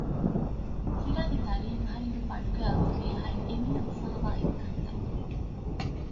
ފިރާގެ ދަރިއެއް އަހަރެންގެ ބަނޑުގައި އޮތުން އެއީ އަހަރެން އެންމެ އުފާވާ އެއްކަންތައް